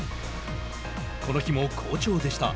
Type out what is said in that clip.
この日も好調でした。